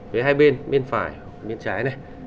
với hai bên bên phải bên trái